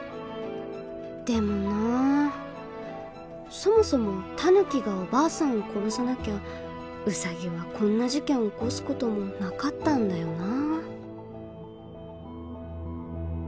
でもなそもそもタヌキがおばあさんを殺さなきゃウサギはこんな事件を起こす事もなかったんだよな。